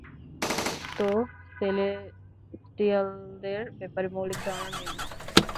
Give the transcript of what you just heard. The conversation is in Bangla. তো, সেলেস্টিয়ালদের ব্যাপারে মৌলিক ধারণা নিয়ে নাও।